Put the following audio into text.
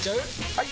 ・はい！